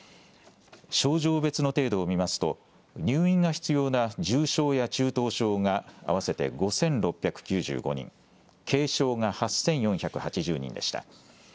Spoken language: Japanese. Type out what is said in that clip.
症状別の程度を見ますと入院が必要な重症や中等症が合わせて５６９５人、軽症が８４８０人でした。